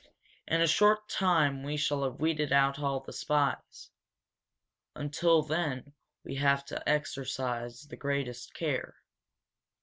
In a short time we shall have weeded out all the spies. Until then we have to exercise the greatest care.